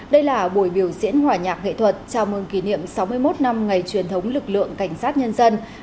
đây là buổi biểu diễn hỏa nhạc nghệ thuật chào mừng kỷ niệm sáu mươi một năm ngày truyền thống lực lượng cảnh sát nhân dân